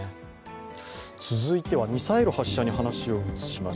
続いてはミサイル発射に話を移します。